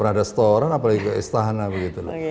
ada store an apalagi ke istana begitu